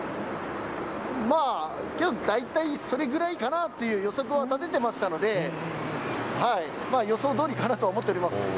だいたい、それぐらいかなという予測は立てていましたので予想どおりかなと思っています。